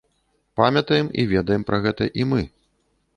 Памятаем і ведаем пра гэта і мы.